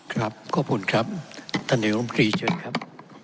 ครับขอบคุณครับท่านนายกรมตรีเชิญครับ